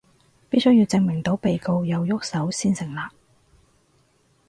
必須要證明到被告有郁手先成立